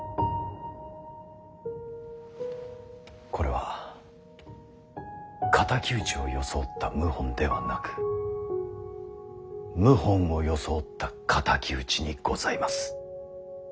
これは敵討ちを装った謀反ではなく謀反を装った敵討ちにございます。